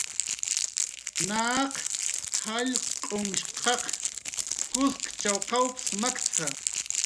"Naq jallq'unhshqaq kuskchaw qawps makt""a"